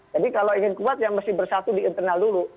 kalau ingin kuat ya mesti bersatu di internal dulu